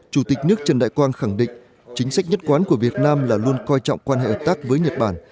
chủ tịch nước trần đại quang khẳng định chính sách nhất quán của việt nam là luôn coi trọng quan hệ hợp tác với nhật bản